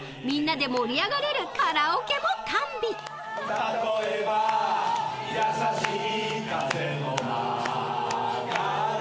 「例えばやさしい風の中で」